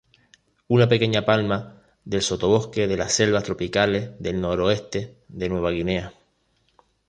Una pequeña palma del sotobosque de las selvas tropicales del noroeste de Nueva Guinea.